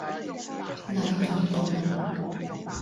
禮頓道